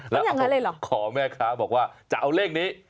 แล้วขอแม่คะบอกว่าจะเอาเลขนี้